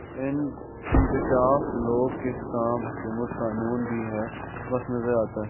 ان ق شکن لوگ کے سام حکومت کا قانون بھی بے بس نظر آتا ہے